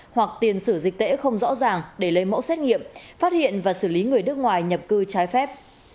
hoặc tiền sử dịch tễ không rõ ràng để lấy mẫu xét nghiệm phát hiện và xử lý người nước ngoài nhập cư trái phép